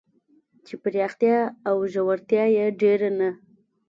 چې پراختیا او ژورتیا یې ډېر نه